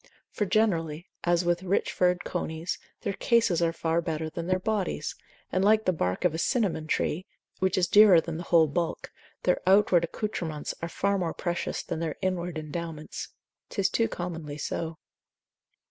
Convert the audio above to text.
For generally, as with rich furred conies, their cases are far better than their bodies, and like the bark of a cinnamon, tree, which is dearer than the whole bulk, their outward accoutrements are far more precious than their inward endowments. 'Tis too commonly so.